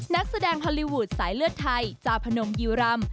นักแสดงฮอลลีวูดสายเลือดไทยจาพนมยีรำ